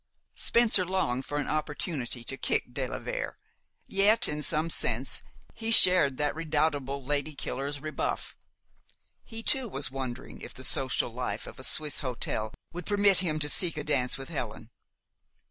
Spencer longed for an opportunity to kick de la Vere; yet, in some sense, he shared that redoubtable lady killer's rebuff. He too was wondering if the social life of a Swiss hotel would permit him to seek a dance with Helen.